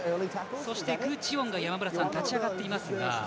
そして、具智元が立ち上がっていますが。